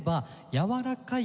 やわらかい。